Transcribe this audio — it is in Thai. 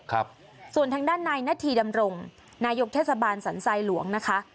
ครับส่วนทางด้านนายนาธีดำรงนายกเทศบาลสันทรายหลวงนะคะ